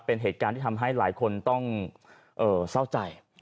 เป็นเหตุการณ์ที่ทำให้หลายคนต้องเศร้าใจ